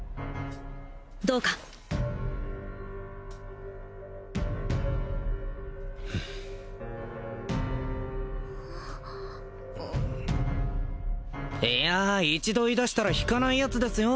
どうかいや一度言いだしたら引かないヤツですよ